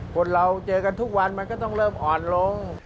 คนเราเจอกันทุกวันมันก็ต้องเริ่มอ่อนลง